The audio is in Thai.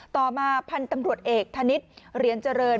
ต่อมาพันธุ์ตำรวจเอกธนิษฐ์เหรียญเจริญ